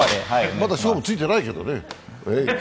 まだ勝負ついてないけどね。